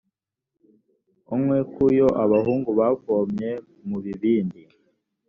unywe ku yo abahungu bavomye mu bibindi